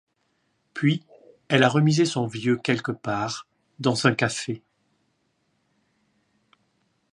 Puis, elle a remisé son vieux quelque part, dans un café.